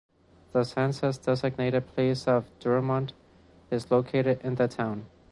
The census-designated place of Drummond is located in the town.